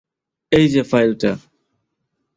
এই যে ফাইলটা।